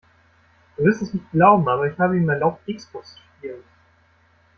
Du wirst es nicht glauben, aber ich habe ihm erlaubt, X-Box zu spielen.